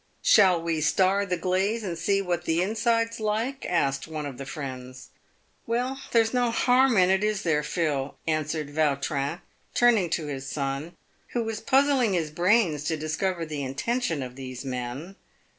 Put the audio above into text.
" Shall we star the glaze and see what the inside's like ?" asked one of the friends. "Well, there's no harm in it, is there, Phil?" answered Vautrin, turning to his son, who was puzzling his brains to discover the inten tion of these men.